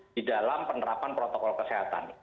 di dalam penerapan protokol kesehatan